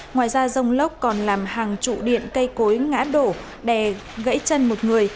ngoài ra rông lốc còn làm hàng trụ điện cây cối ngã đổ đè gãy chân một người